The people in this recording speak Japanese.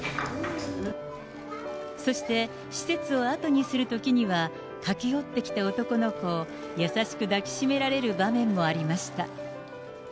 そして施設を後にするときには、駆け寄ってきた男の子を優しく抱きしめられる場面もありました。